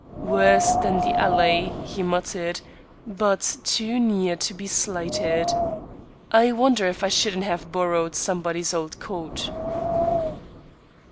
"Worse than the alley," he muttered; "but too near to be slighted. I wonder if I shouldn't have borrowed somebody's old coat."